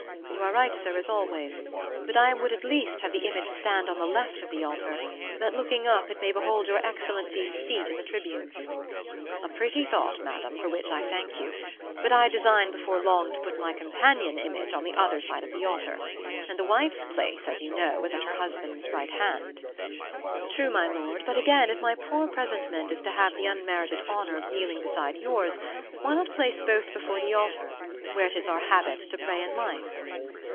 'You are right, sir, as always; but I would at least have the image stand on the left of the altar, that, looking up, it may behold your excellency's seat in the tribune.' "'A pretty thought, Madam, for which I thank you; but I design before long to put my companion image on the other side of the altar; and the wife's place, as you know, is at her husband's right hand.' "'True, my lord but, again, if my poor presentment is to have the unmerited honor of kneeling beside yours, why not place both before the altar, where it is our habit to pray in life?